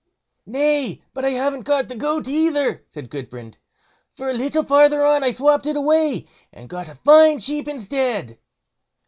"Nay, but I haven't got the goat either", said Gudbrand, "for a little farther on I swopped it away, and got a fine sheep instead."